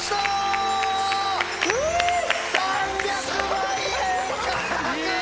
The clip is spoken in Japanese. ３００万円獲得！